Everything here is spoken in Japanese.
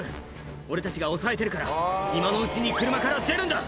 「俺たちが押さえてるから今のうちに車から出るんだ」